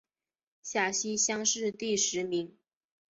陕西乡试第十名。